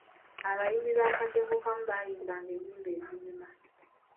Abayimbi ba kaddongokamu bayimbanga ennyimba ezinyuma.